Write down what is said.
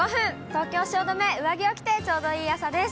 東京・汐留、上着を着てちょうどいい朝です。